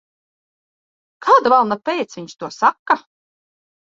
Kāda velna pēc viņš to saka?